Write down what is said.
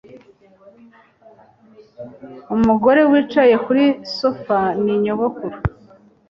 Umugore wicaye kuri sofa ni nyogokuru.